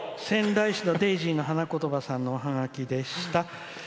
仙台市のデイジーの花言葉さんのおハガキでした。